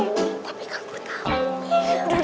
tapi kan gue tau